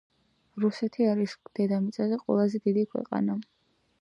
რუსეთი არის დედამიწაზე ყველაზე დიდი ქვეყანა